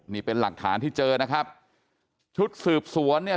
นี่เป็นหลักฐานที่เจอนะครับชุดสืบสวนเนี่ย